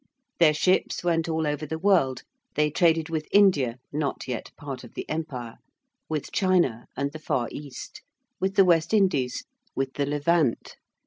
Their ships went all over the world: they traded with India, not yet part of the Empire: with China, and the Far East: with the West Indies, with the Levant.